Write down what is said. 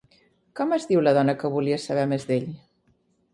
Com es diu la dona que volia saber més d'ell?